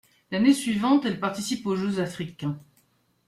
L'année suivante, elle participe aux Jeux africains.